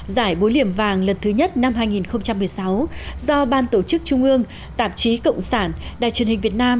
giải búa liềm vàng lần thứ nhất năm hai nghìn một mươi sáu do ban tổ chức trung ương tạp chí cộng sản đài truyền hình việt nam